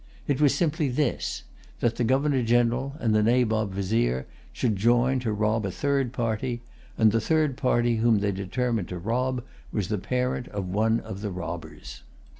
It was simply this, that the Governor General and the Nabob Vizier should join to rob a third party; and the third party whom they determined to rob was the parent of one of the robbers.